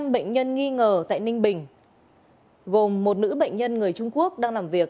năm bệnh nhân nghi ngờ tại ninh bình gồm một nữ bệnh nhân người trung quốc đang làm việc